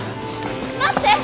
待って！